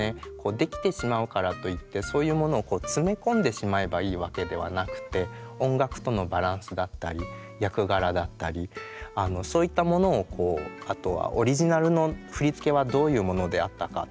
できてしまうからといってそういうものを詰め込んでしまえばいいわけではなくて音楽とのバランスだったり役柄だったりそういったものをこうあとはオリジナルの振り付けはどういうものであったかっていう。